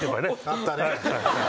あったね。